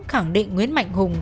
khẳng định nguyễn mạnh hùng